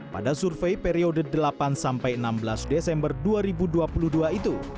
pada survei periode delapan enam belas desember dua ribu dua puluh dua itu